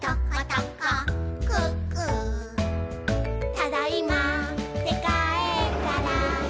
「ただいまーってかえったら」